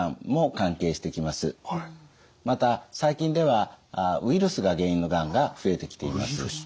また最近ではウイルスが原因のがんが増えてきています。